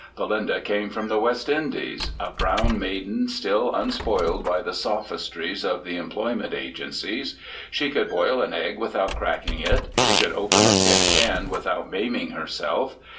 Belinda came from the West Indies, a brown maiden still unspoiled by the sophistries of the employment agencies. She could boil an egg without cracking it, she could open a tin can without maiming herself.